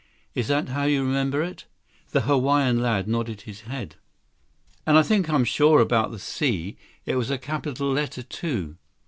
Is that how you remember it?" The Hawaiian lad nodded his head. "And I think I'm sure about the C. It was a capital letter, too.